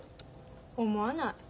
思わない。